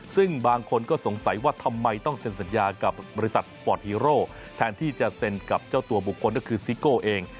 ซึ่งบางคนก็สงสัยว่าทำไมต้องเซ็นสัญญากับบริษัทสปอร์ตฮีโร่แทนที่จะเซ็นกับเจ้าตัวบุคคลก็คือซิโก้เอง